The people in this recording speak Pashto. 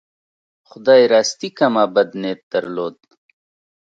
خدای راستي که ما بد نیت درلود.